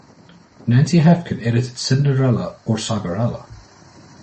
Nancy Hafkin edited Cinderella or Cyberella?